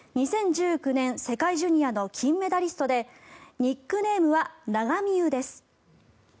２０１９年世界ジュニアの金メダリストでニックネームはながみゆです。